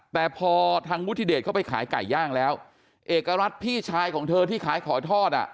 แต่พอทางวุฒิเดชเขาไปขายไก่ย่างแล้วเอกรัฐพี่ชายของเธอที่ขายขอทอดอ่ะ